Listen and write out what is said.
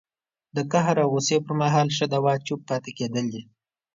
د قهر او غوسې پر مهال ښه دوا چپ پاتې کېدل دي